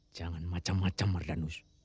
jangan macam macam mardanus